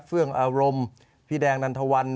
เฟื่องอารมณ์พี่แดงนันทวัน